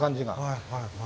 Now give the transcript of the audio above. はいはい。